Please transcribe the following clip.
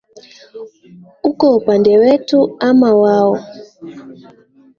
Uko upande wetu ama wao?